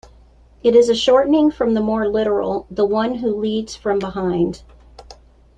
It is a shortening from the more literal "the one who leads from behind".